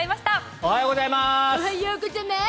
おはようございます。